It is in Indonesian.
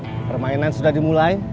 halo permainan sudah dimulai